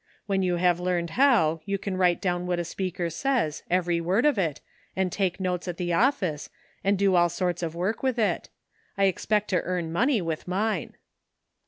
When you have learned how, you can write down what a speaker says, every word of it, and take notes at the office, and do all sorts of work with it. I expect to earn money with mine."